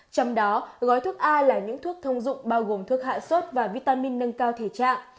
trong đó gói thuốc a là những thuốc thông dụng bao gồm thuốc hạ sốt và vitamin nâng cao thể trạng